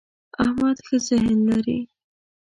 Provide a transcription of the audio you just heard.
احمد ښه ذهن لري.